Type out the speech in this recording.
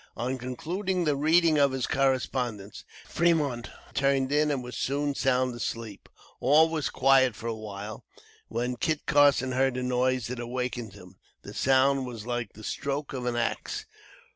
On concluding the reading of his correspondence, Fremont turned in and was soon sound asleep. All was quiet for awhile, when Kit Carson heard a noise that awaked him; the sound was like the stroke of an axe.